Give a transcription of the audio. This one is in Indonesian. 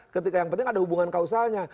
ketika yang penting ada hubungan kausalnya